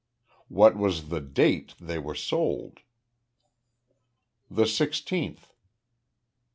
"What was the date they were sold?" "The sixteenth."